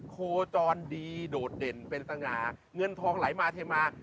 โคจรดีโดดเด่นเป็นสง่าเงินทองไหลมาเทมา